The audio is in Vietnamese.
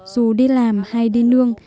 dù đi làm hay đi nương